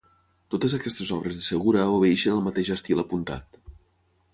Totes aquestes obres de Segura obeeixen al mateix estil apuntat.